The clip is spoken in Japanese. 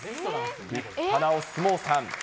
立派なお相撲さん。